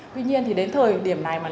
tuy nhiên thì đến thời điểm này mà nó